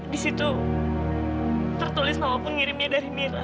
di situ tertulis nama pengirimnya dari mira